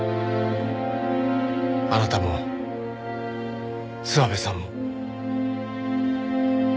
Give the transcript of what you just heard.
あなたも諏訪部さんも。